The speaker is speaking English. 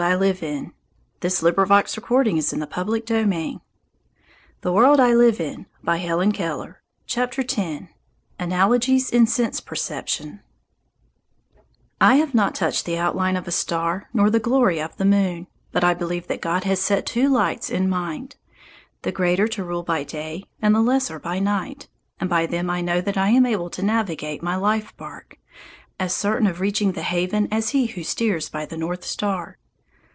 I can apply this perception to the landscape and to the far off hills. ANALOGIES IN SENSE PERCEPTION X ANALOGIES IN SENSE PERCEPTION I HAVE not touched the outline of a star nor the glory of the moon, but I believe that God has set two lights in mind, the greater to rule by day and the lesser by night, and by them I know that I am able to navigate my life bark, as certain of reaching the haven as he who steers by the North Star.